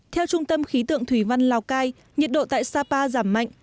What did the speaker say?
theo trung tâm khí tượng thủy văn lào cai nhiệt độ tại sapa giảm mạnh